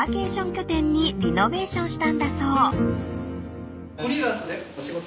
拠点にリノベーションしたんだそう］